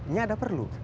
nya ada perlu